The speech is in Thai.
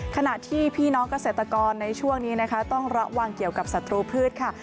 ขณะที่พี่น้องเกษตรกรในช่วงนี้นะคะต้องระวังเกี่ยวกับศัตรูพืชค่ะ